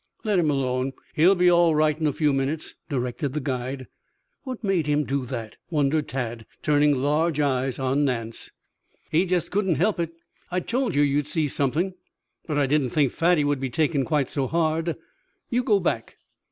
"Let him alone. He'll be all right in a few minutes," directed the guide. "What made him do that?" wondered Tad, turning large eyes on Nance. "He jest couldn't help it. I told you you'd see something, but I didn't think Fatty would be taken quite so hard. You go back."